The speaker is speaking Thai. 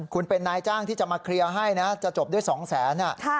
คุณเป็นนายจ้างที่จะมาเคลียร์ให้นะจะจบด้วย๒แสน